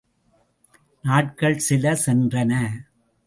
நாள்கள் சில சென்றன.